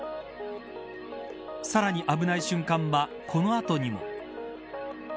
さらに危ない瞬間はこの後にも。